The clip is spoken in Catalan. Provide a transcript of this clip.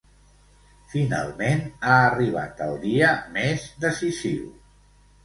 Finalment, ha arribat el dia més decisiu.